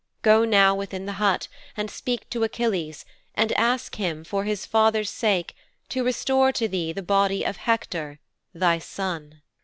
Go now within the hut and speak to Achilles and ask him, for his father's sake, to restore to thee the body of Hector, thy son."'